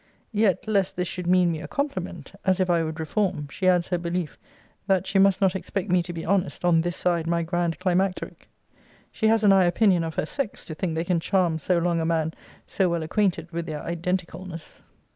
Yet, lest this should mean me a compliment, as if I would reform, she adds her belief, that she 'must not expect me to be honest on this side my grand climacteric.' She has an high opinion of her sex, to think they can charm so long a man so well acquainted with their identicalness.